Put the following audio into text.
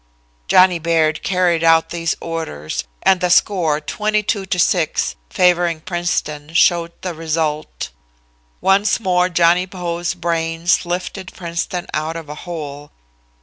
"Johnny Baird carried out these orders, and the score, 22 to 6, favoring Princeton, showed the result. "Once more Johnny Poe's brains lifted Princeton out of a hole.